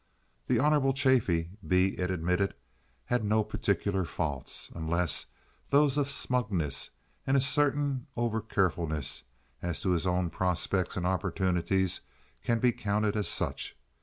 The Honorable Chaffee, be it admitted, had no particular faults, unless those of smugness and a certain over carefulness as to his own prospects and opportunities can be counted as such.